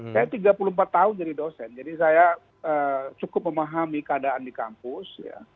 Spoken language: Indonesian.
saya tiga puluh empat tahun jadi dosen jadi saya cukup memahami keadaan di kampus